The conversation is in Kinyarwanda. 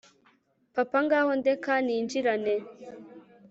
Papa ngaho ndeka ninjirane